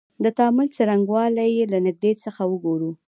د تعامل څرنګوالی یې له نیږدې څخه وګورو.